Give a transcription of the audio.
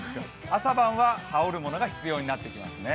朝晩は羽織るものが必要になってきますね。